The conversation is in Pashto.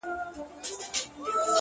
د سترگو تور مي د ايستو لائق دي _